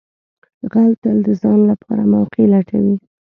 غل تل د ځان لپاره موقع لټوي